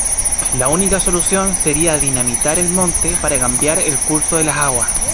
La única solución sería dinamitar el monte, para cambiar el curso de las aguas.